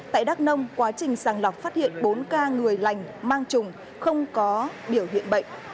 tại đắk nông quá trình sàng lọc phát hiện bốn ca người lành mang trùng không có biểu hiện bệnh